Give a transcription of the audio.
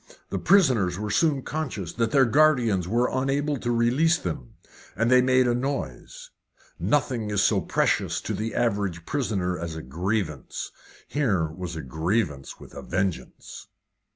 The prisoners were soon conscious that their guardians were unable to release them, and they made a noise. Nothing is so precious to the average prisoner as a grievance; here was a grievance with a vengeance.